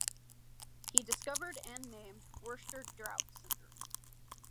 He discovered and named Worster-Drought syndrome.